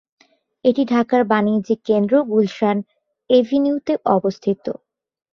এটি ঢাকার বাণিজ্যিক কেন্দ্র গুলশান এভিনিউতে অবস্থিত।